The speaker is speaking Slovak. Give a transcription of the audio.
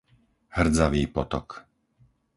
Hrdzavý potok